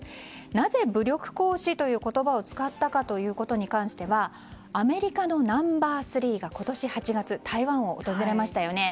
なぜ武力行使という言葉を使ったかに関してはアメリカのナンバー３が今年８月台湾を訪れましたよね。